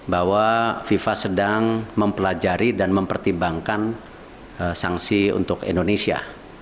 bahwa fifa sedang mempelajari dan mempertimbangkan sanksi untuk indonesia